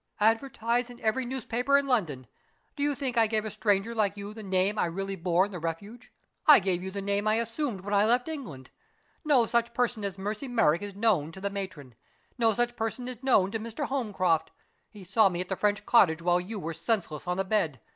"Advertise in every newspaper in London. Do you think I gave a stranger like you the name I really bore in the Refuge? I gave you the name I assumed when I left England. No such person as Mercy Merrick is known to the matron. No such person is known to Mr. Holmcroft. He saw me at the French cottage while you were senseless on the bed.